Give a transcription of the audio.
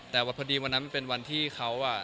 แต่ว่าพอดีวันนั้นมันเป็นวันที่เขา